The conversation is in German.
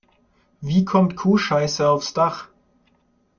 Wie kommt Kuhscheiße aufs Dach?